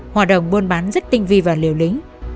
hoạt động buôn bán rất tinh vi và liều lĩnh